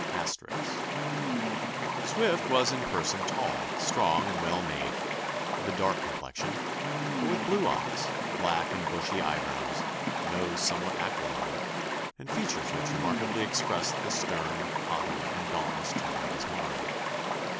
*] "Swift was in person tall, strong, and well made, of a dark complexion, but with blue eyes, black and bushy eyebrows, nose somewhat aquiline, and features which remarkably expressed the stern, haughty, and dauntless turn of his mind.